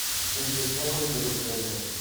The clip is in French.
Une chose bien connue des autres animaux.